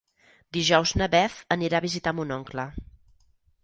Dijous na Beth anirà a visitar mon oncle.